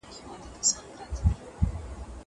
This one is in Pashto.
زه به د کتابتون پاکوالی کړی وي.